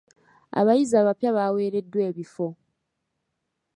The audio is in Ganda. Abayizi abapya baweereddwa ebifo.